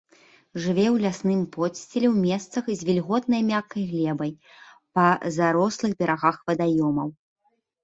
Жыве ў лясным подсціле ў месцах з вільготнай мяккай глебай, па зарослых берагах вадаёмаў.